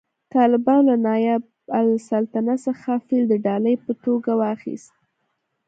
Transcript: طالبانو له نایب السلطنه څخه فیل د ډالۍ په توګه واخیست